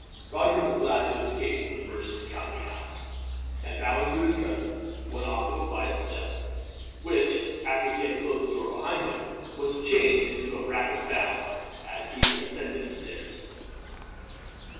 Roger was glad to escape from the merchant's counting house and, bowing to his cousin, went off with a quiet step; which, after he had closed the door behind him, was changed into a rapid bound as he ascended the stairs.